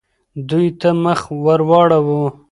دوی ته مخ ورواړوه.